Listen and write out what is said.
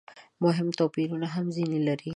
مهم توپیرونه هم ځنې لري.